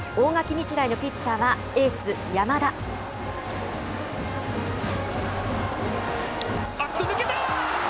日大のピッチャーはエース、あっと、抜けた。